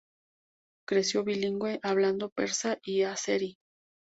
Ismāʽīl creció bilingüe, hablando persa y azerí.